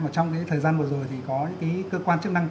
trong cái thời gian vừa rồi thì có những cơ quan chức năng